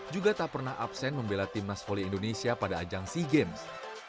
juga tak pernah absen membela tim nas foli indonesia pada ajang sea games